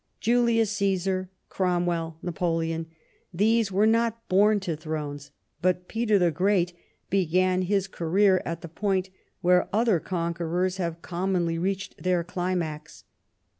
Julius Cffisar, Cromwell, Napoleon — these were not born to thrones; but Peter the Great began his career at the point where other conquerors have commonly reached their climax.